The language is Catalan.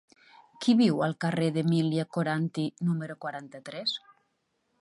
Qui viu al carrer d'Emília Coranty número quaranta-tres?